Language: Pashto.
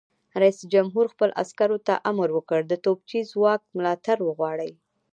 رئیس جمهور خپلو عسکرو ته امر وکړ؛ د توپچي ځواک ملاتړ وغواړئ!